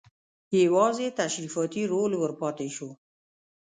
یوازې تشریفاتي رول ور پاتې شو.